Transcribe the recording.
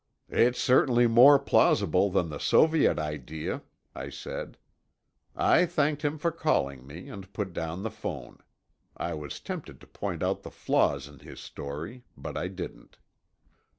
"It's certainly more plausible than the Soviet idea," I said. I thanked him for calling me, and put down the phone. I was tempted to point out the flaws in his story. But I didn't.